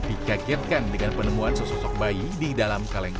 dikagetkan dengan penemuan sosok sosok bayi di dalam kaleng